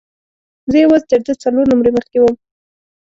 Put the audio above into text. زه یوازې تر ده څلور نمرې مخکې وم.